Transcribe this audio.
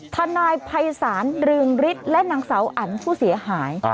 ทนายภัยศาลเรืองฤทธิ์และนางสาวอันผู้เสียหาย